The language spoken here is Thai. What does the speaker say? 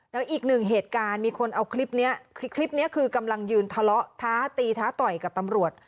แล้วอีกหนึ่งเหตุการณ์มีคนเอาคลิปนี้คลิปนี้คือกำลังยืนทะเลาะท้าตีท้าต่อยกับตำรวจ